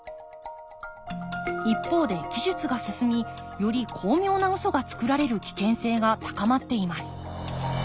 一方で技術が進みより巧妙なウソがつくられる危険性が高まっています。